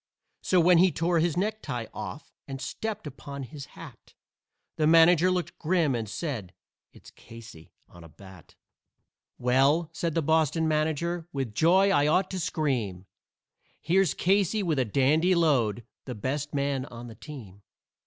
So when he tore his necktie off and stepped upon his hat The manager looked grim and said, "It's Casey on a bat." "Well," said the Boston manager, "with joy I ought to scream Here's Casey with a dandy load, the best man on the team.